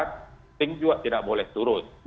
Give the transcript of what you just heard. testing juga tidak boleh turun